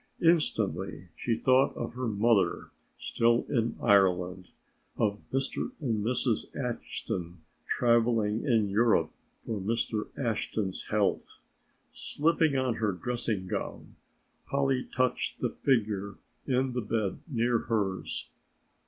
Instantly she thought of her mother still in Ireland, of Mr. and Mrs. Ashton traveling in Europe for Mr. Ashton's health. Slipping on her dressing gown Polly touched the figure in the bed near hers.